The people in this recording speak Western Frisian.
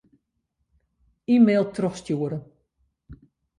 E-mail trochstjoere.